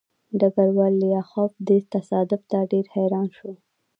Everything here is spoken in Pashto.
ډګروال لیاخوف دې تصادف ته ډېر حیران شو